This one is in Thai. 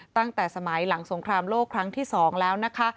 ตั้งแต่สมัยหลังสงครามโลกครั้งที่๒แล้วนะคะ